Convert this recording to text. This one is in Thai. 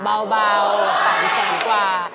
เบา๓แสนกว่า